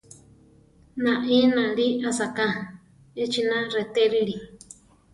Naí náli asáka, echina retérili.